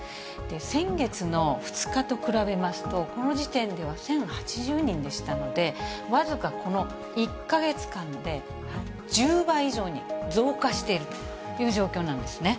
先月の２日と比べますと、この時点では１０８０人でしたので、僅かこの１か月間で、１０倍以上に増加しているという状況なんですね。